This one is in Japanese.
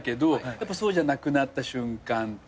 やっぱそうじゃなくなった瞬間とか。